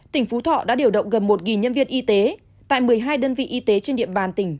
tỉnh phú thọ đã điều động gần một nhân viên y tế tại một mươi hai đơn vị y tế trên địa bàn tỉnh